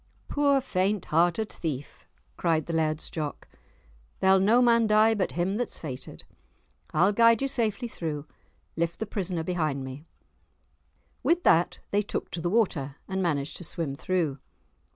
"Poor faint hearted thief!" cried the Laird's Jock. "There'll no man die but him that's fated; I'll guide you safely through; lift the prisoner behind me." With that they took to the water and managed to swim through.